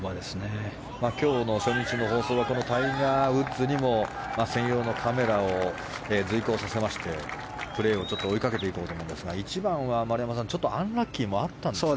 今日の初日の放送はこのタイガー・ウッズにも専用のカメラを随行させましてプレーを追いかけていこうと思うんですが１番は丸山さんアンラッキーもあったんですか。